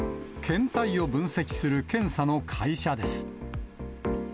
検体を分析する検査の会社です。